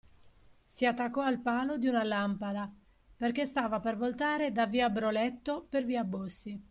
Si attaccò al palo di una lampada, perché stava per voltare da via Broletto per via Bossi